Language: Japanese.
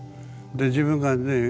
で自分がね